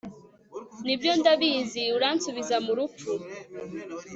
ni byo ndabizi, uransubiza mu rupfu